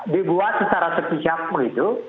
dibuat secara setiap waktu itu